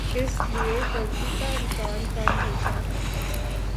اس لیے غلطی کا امکان کم ہوتا ہے۔